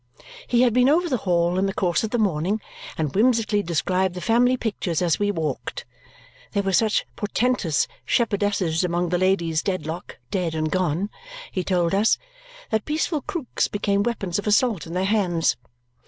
He had been over the Hall in the course of the morning and whimsically described the family pictures as we walked. There were such portentous shepherdesses among the Ladies Dedlock dead and gone, he told us, that peaceful crooks became weapons of assault in their hands.